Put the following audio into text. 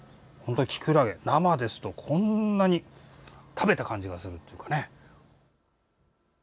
キクラゲ、生ですとこんなに食べた感じがするっていうかね。